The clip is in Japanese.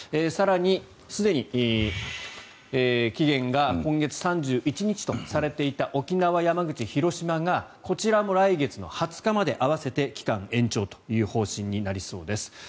更にすでに期限が今月３１日とされていた沖縄、山口、広島がこちらも来月の２０日まで併せて期間延長という方針になりそうです。